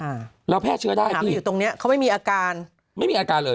แพทย์เชื้อได้เราแพทย์เชื้อได้อยู่ตรงเนี้ยเขาไม่มีอาการไม่มีอาการเลย